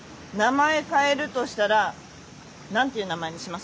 前変えるとしたら何ていう名前にします？